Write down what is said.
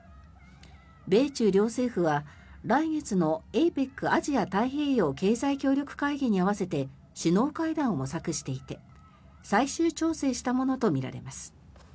米中両政府は来月のＡＰＥＣ・アジア太平洋経済協力会議に合わせて首脳会談を模索していて最終調整したものとみられます。